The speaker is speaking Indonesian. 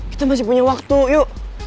kita masih punya waktu yuk